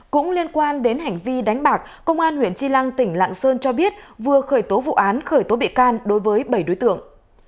cũng liên quan đến hành vi đánh bạc công an huyện tri lăng tỉnh lạng sơn cho biết vừa khởi tố vụ án khởi tố bị can đối với bảy đối tượng